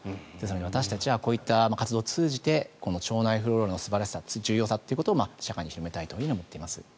私たちはこういった活動を通じて腸内フローラの素晴らしさ、重要さを社会に広めたいと思っています。